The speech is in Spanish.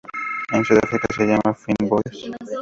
En Sudáfrica se llama fynbos.